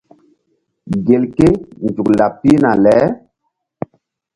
Gelke nzuk laɓ pihna le.